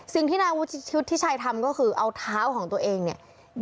สิ่งที่นายวุฒิชัยทำก็คือเอาเท้าของตัวเองเนี่ย